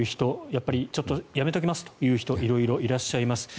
やっぱりちょっとやめておきますという人色々いらっしゃいます。